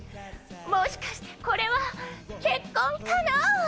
もしかしてこれは結婚かな？